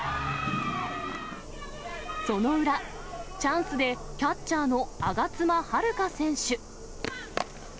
その裏、チャンスでキャッチャーの我妻悠香選手。